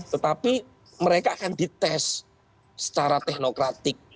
tetapi mereka akan dites secara teknokratik